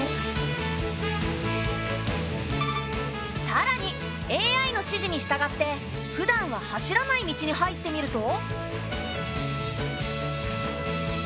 さらにＡＩの指示に従ってふだんは走らない道に入ってみると。